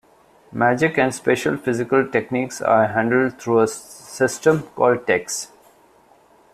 Magic and special physical techniques are handled through a system called Techs.